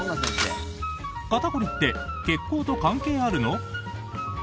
肩凝りって血行と関係あるの？